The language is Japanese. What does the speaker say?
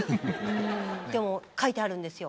でも書いてあるんですよ